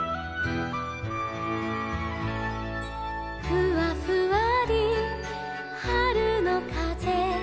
「ふわふわりはるのかぜ」